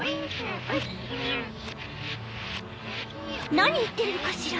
何言ってるのかしら？